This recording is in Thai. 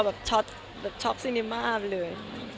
แบบช็อคซีนิมาเลย